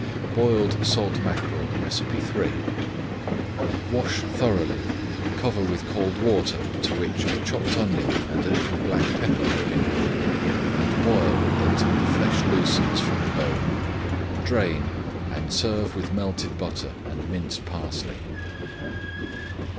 BOILED SALT MACKEREL III Wash thoroughly, cover with cold water to which a chopped onion and a little black pepper have been added, and boil until the flesh loosens from the bone. Drain, and serve with melted butter and minced parsley.